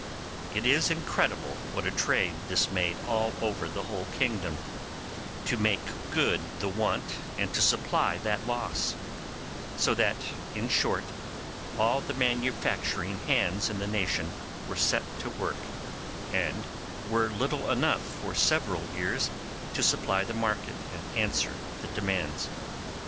It is incredible what a trade this made all over the whole kingdom, to make good the want and to supply that loss; so that, in short, all the manufacturing hands in the nation were set on work, and were little enough for several years to supply the market and answer the demands.